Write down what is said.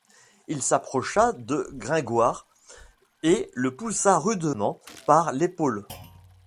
Il s'approcha de Gringoire et le poussa rudement par l'épaule.